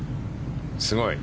すごい。